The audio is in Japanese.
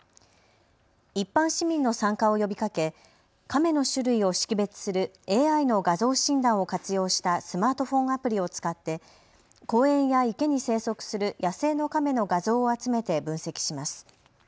一般市民の参加を呼びかけカメの種類を識別するＡＩの画像診断を活用したスマートフォンアプリを使って公園や池に生息する野生のカメの画像を集めて分析します。